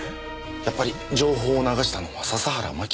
やっぱり情報を流したのは笹原真紀か。